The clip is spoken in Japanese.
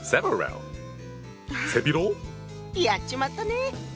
やっちまったね！